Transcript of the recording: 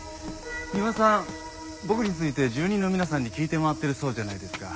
三馬さん僕について住民の皆さんに聞いて回ってるそうじゃないですか。